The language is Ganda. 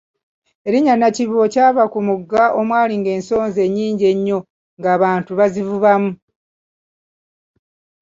Erinnya Nakivubo kyava ku mugga omwalinga ensonzi ennyingi ennyo ng'abantu bazivubamu.